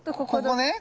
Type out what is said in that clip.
ここね？